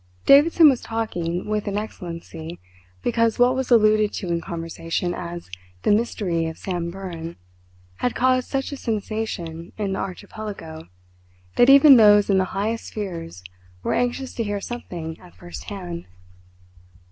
Davidson was talking with an Excellency, because what was alluded to in conversation as "the mystery of Samburan" had caused such a sensation in the Archipelago that even those in the highest spheres were anxious to hear something at first hand.